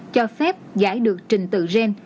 cho phép giải được trình tự gen